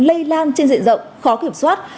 lây lan trên diện rộng khó kiểm soát